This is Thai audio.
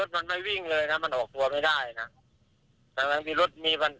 ให้ญาติฝันพ่อมันลงอย่างรถลงอย่างรถเป็น๒คน